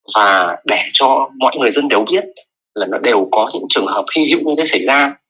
và để cho mọi người dân đều biết là nó đều có những trường hợp khi hữu như thế xảy ra